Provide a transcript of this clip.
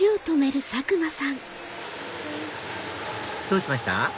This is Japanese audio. どうしました？